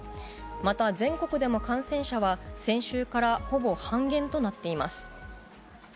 また全国でも感染者は先週からほぼ半減となっています。